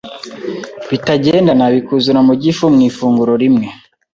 bitagendana bikuzura mu gifu mu ifunguro rimwe,